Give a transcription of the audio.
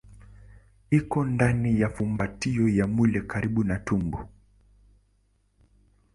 Iko ndani ya fumbatio ya mwili karibu na tumbo.